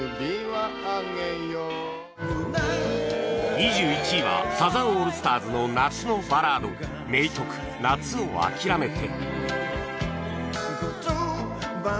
２１位はサザンオールスターズの夏のバラード名曲『夏をあきらめて』